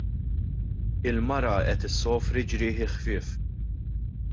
Il-mara qed issofri ġrieħi ħfief.